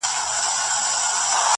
چي د ملالي د ټپې زور یې لیدلی نه وي!!